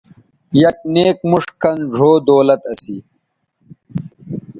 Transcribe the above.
یک نیک موݜ کَن ڙھؤ دولت اسی